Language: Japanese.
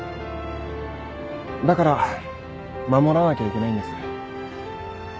だから守らなきゃいけないんです。